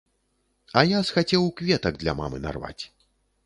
А я схацеў кветак для мамы нарваць.